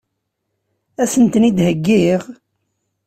Ad sent-ten-id-heggiɣ?